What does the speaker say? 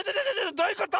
どういうこと⁉